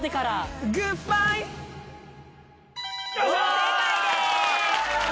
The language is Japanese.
正解です！